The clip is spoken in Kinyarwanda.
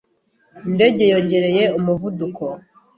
Indege yongereye umuvuduko.